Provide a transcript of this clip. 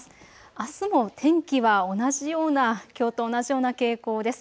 あすも天気は同じような、きょうと同じような傾向です。